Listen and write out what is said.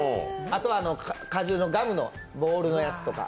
あと、果汁のガムのボールのやつとか。